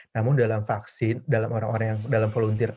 namun dalam vaksin dalam orang orang yang dalam volunteer